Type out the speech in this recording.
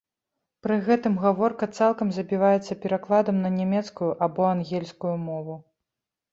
Пры гэтым гаворка цалкам забіваецца перакладам на нямецкую або ангельскую мову.